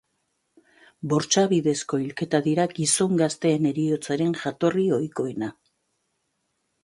Bortxa bidezko hilketa dira gizon gazteen heriotzaren jatorri ohikoena.